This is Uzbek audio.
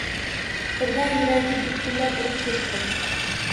Birdan yuragi gupillab urib ketdi.